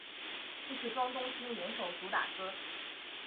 亦是庄冬昕联手主打歌。